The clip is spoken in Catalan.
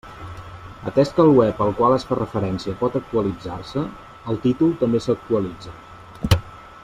Atès que el web al qual es fa referència pot actualitzar-se, el títol també s'actualitza.